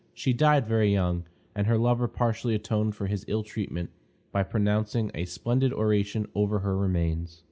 She died very young, and her lover partially atoned for his ill treatment by pronouncing a splendid oration over her remains.